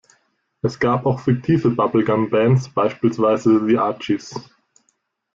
Es gab auch fiktive Bubblegum-Bands, beispielsweise The Archies.